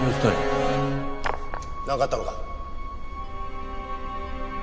「なんかあったのか？」